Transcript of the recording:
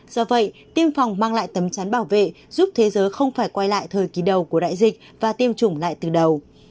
do vậy tiêm phòng mang lại tấm chắn bảo vệ giúp thế giới không phải quay lại thời kỳ đầu của đại dịch và tiêm chủng lại từ đầu